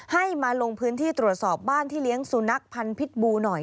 ให้มาลงพื้นที่ตรวจสอบบ้านที่เลี้ยงสุนัขพันธ์พิษบูหน่อย